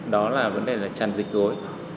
đó là vấn đề là tràn dịch gối